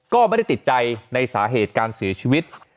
ก็ไม่ได้ติดใจในสาเหตุการเสียชีวิต